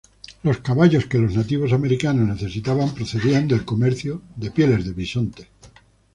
Los caballos que los nativos americanos necesitaban procedían del comercio de pieles de bisonte.